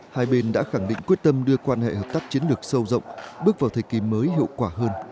hai bên đã khẳng định quyết tâm đưa quan hệ hợp tác chiến lược sâu rộng bước vào thời kỳ mới hiệu quả hơn